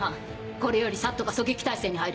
これよりＳＡＴが狙撃態勢に入る。